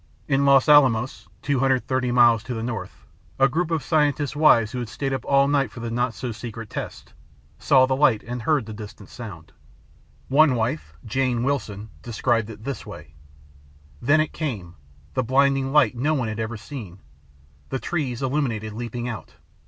" In Los Alamos 230 miles to the north, a group of scientists' wives who had stayed up all night for the not so secret test, saw the light and heard the distant sound. One wife, Jane Wilson, described it this way, "Then it came. The blinding light [no] one had ever seen. The trees, illuminated, leaping out.